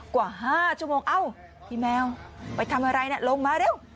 กว่า๕ชั่วโมงเอ้าพี่แมวไปทำอะไรลงมาเร็ว